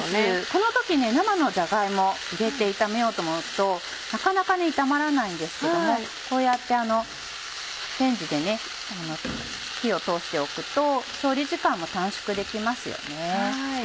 この時生のじゃが芋入れて炒めようと思うとなかなか炒まらないんですけどもこうやってレンジで火を通しておくと調理時間も短縮できますよね。